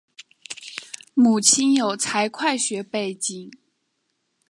母亲有财会学背景。